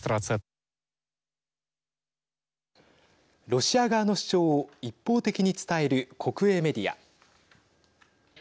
ロシア側の主張を一方的に伝える国営メディア。